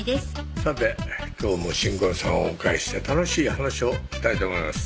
さて今日も新婚さんをお迎えして楽しい話を聞きたいと思います